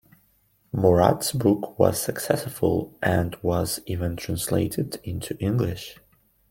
Murat's book was successful and was even translated into English.